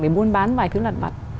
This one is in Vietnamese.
để buôn bán vài thứ lật mặt